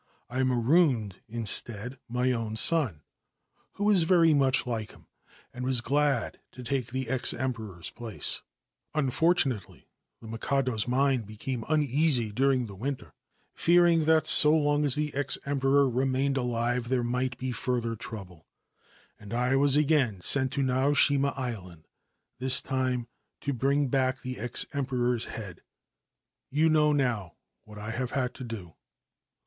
marooned instead my own son, who was very mi like him, and was glad to take the ex Emperor's pla Unfortunately, the Mikado's mind became uneasy dur: the winter, fearing that so long as the ex Emperor mained alive there might be further trouble, and I ^ again sent to Naoshima Island, this time to bring bi the ex Emperor's head. You know now what I h; had to do.